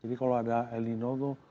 jadi kalau ada el nino tuh